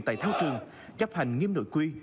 tại thao trường chấp hành nghiêm nội quy